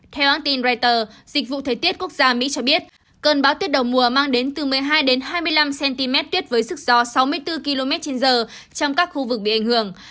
theo hãng tin reuters dịch vụ thời tiết quốc gia mỹ cho biết cơn bão tuyết đầu mùa mang đến từ một mươi hai hai mươi năm cm tuyết với sức gió sáu mươi bốn km trên giờ trong các khu vực bị ảnh hưởng